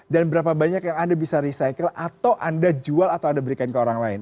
dan berapa banyak yang anda bisa recycle atau anda jual atau anda berikan ke orang lain